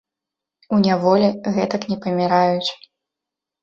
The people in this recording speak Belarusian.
У няволі гэтак не паміраюць.